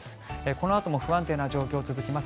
このあとも不安定な状況が続きます。